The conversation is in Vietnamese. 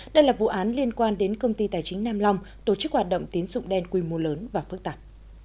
đây là vụ án liên quan đến công ty tài chính nam long tổ chức hoạt động tín dụng đen quy mô lớn và phức tạp